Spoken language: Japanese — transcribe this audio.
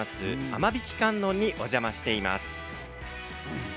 雨引観音にお邪魔しています。